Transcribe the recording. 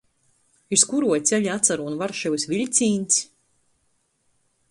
Iz kuruo ceļa atsarūn Varšavys viļcīņs?